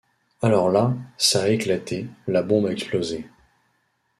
Alors là, ça a éclaté, la bombe a explosé.